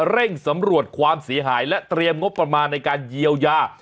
เร่งสำรวจความเสียหายและเตรียมงบประมาณในการเยียวยา